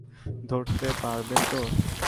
ধরতে পারবেন তো?